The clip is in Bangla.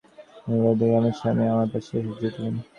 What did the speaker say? খানিক বাদে দেখি আমার স্বামীও আমার পাশে এসে জুটলেন।